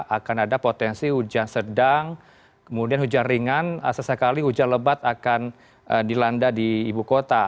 akan ada potensi hujan sedang kemudian hujan ringan sesekali hujan lebat akan dilanda di ibu kota